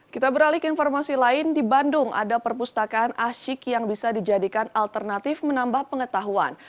kita beralih ke informasi lain di bandung ada perpustakaan asyik yang bisa dijadikan alternatif menambah pengetahuan